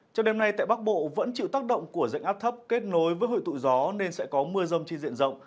trong đêm nay tại bắc bộ vẫn chịu tác động của dạnh áp thấp kết nối với hội tụ gió nên sẽ có mưa rông trên diện rộng